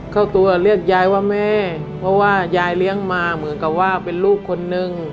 เจ้าตัวเรียกยายว่าแม่เพราะว่ายายเลี้ยงมาเหมือนกับว่าเป็นลูกคนนึง